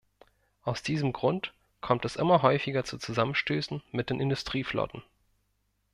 Aus diesem Grund kommt es immer häufiger zu Zusammenstößen mit den Industrieflotten.